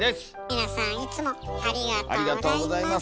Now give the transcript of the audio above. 皆さんいつもありがとうございます。